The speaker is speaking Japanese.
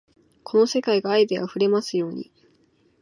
この世界が愛で溢れますように